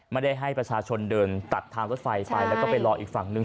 ให้ประชาชนเดินตัดทางรถไฟไปแล้วก็ไปรออีกฝั่งนึง